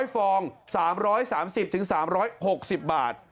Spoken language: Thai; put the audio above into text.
ฟอง๓๓๐๓๖๐บาท